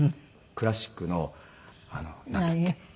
クラシックのなんだっけ？